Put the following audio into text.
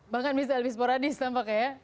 bahkan mr elvis moradis tampaknya ya